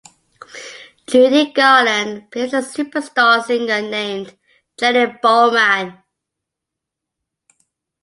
Judy Garland plays a superstar singer named Jenny Bowman.